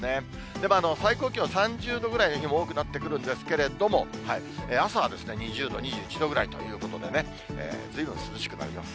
でも最高気温３０度ぐらいの日も多くなってくるんですけれども、朝は２０度、２１度ぐらいということで、ずいぶん涼しくなります。